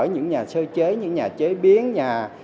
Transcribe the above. những nhà sơ chế những nhà chế biến